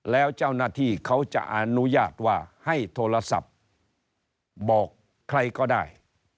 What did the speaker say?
แล้วเจ้าหน้าที่เขาจะอนุญาตว่าให้โทรศัพท์บอกใครก็ได้